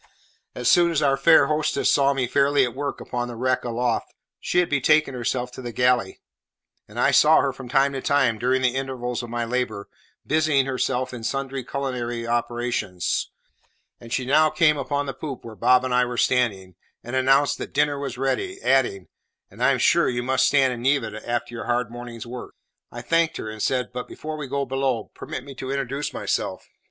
As soon as our fair hostess saw me fairly at work upon the wreck aloft, she had betaken herself to the galley; and I saw her from time to time, during the intervals of my labour, busying herself in sundry culinary operations; and she now came upon the poop where Bob and I were standing, and announced that dinner was ready, adding, "And I am sure you must stand in need of it after your hard morning's work." I thanked her and said, "But before we go below, permit me to introduce myself.